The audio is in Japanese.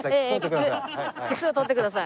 靴を撮ってください。